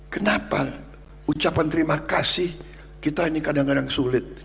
kenapa ucapan terima kasih kita ini kadang kadang sulit